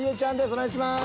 お願いします。